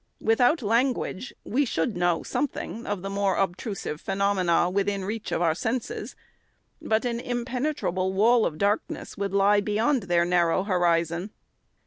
Without language, we should know something of the more obtru sive phenomena, within reach of the senses, but an im penetrable wall of darkness would lie beyond their narrow horizon.